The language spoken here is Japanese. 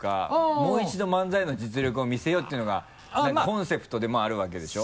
もう一度漫才の実力を見せようっていうのがコンセプトでもあるわけでしょ？